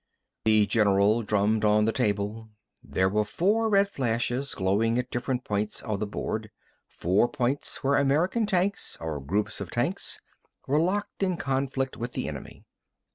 The general drummed on the table. There were four red flashes glowing at different points of the board—four points where American tanks or groups of tanks were locked in conflict with the enemy.